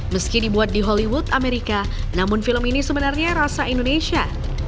meski dibuat di hollywood amerika namun film ini sebenarnya rasa indonesia